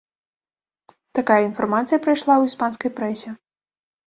Такая інфармацыя прайшла ў іспанскай прэсе.